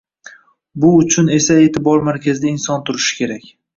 Bu uchun esa e’tibor markazida inson turishi kerak.